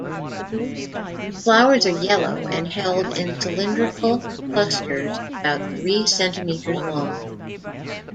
The flowers are yellow, and held in cylindrical clusters about three centimetres long.